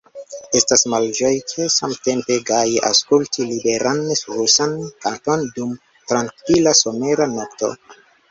Estas malĝoje kaj samtempe gaje aŭskulti liberan rusan kanton dum trankvila somera nokto.